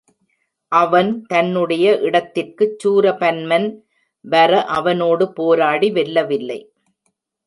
அவன் தன்னுடைய இடத்திற்குச் சூரபன்மன் வர அவனோடு போராடி வெல்லவில்லை.